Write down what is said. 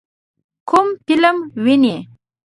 کوم فلم وینئ؟